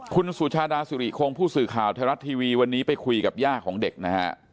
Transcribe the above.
คุณสุชาดาสุริคงผู้สื่อข่าวไทยรัฐทีวีวันนี้ไปคุยกับย่าของเด็กนะฮะ